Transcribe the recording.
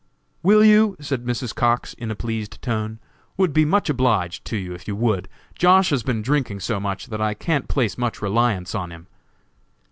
"Will you?" said Mrs. Cox, in a pleased tone; "would be much obliged to you if you would; Josh. has been drinking so much that I can't place much reliance on him."